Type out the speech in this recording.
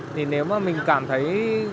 thì nếu mà mình cảm thấy